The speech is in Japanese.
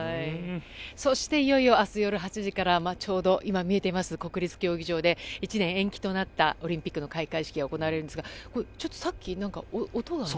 そしていよいよ明日夜８時からちょうど今、見えています国立競技場で１年延期となったオリンピックの開会式が行われるんですがさっき、音がね。